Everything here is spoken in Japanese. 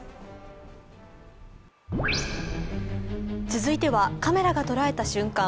続いてはカメラが捉えた瞬間。